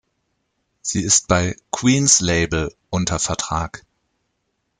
Sie ist bei "queens label" unter Vertrag.